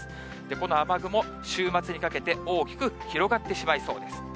この雨雲、週末にかけて大きく広がってしまいそうです。